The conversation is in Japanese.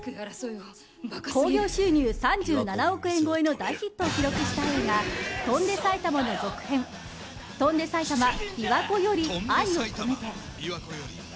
興行収入３７億円超えの大ヒットを記録した映画「翔んで埼玉」の続編「翔んで埼玉琵琶湖より愛をこめて」。